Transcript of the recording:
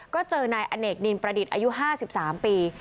ก็เจอนายอเนกนินประดิษฐ์อายุ๕๓ปี